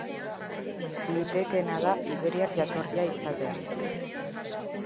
Litekeena da iberiar jatorria izatea.